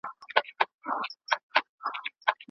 پلار مي وویل چي پښتو د پښتنو د کلتوري بقا نښه ده.